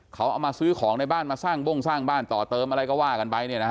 เขาเอามาซื้อของในบ้านมาสร้างบ้งสร้างบ้านต่อเติมอะไรก็ว่ากันไป